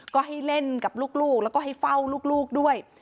ก็ให้เล่นกับลูกแล้วก็ให้เฝ้าลูกด้วย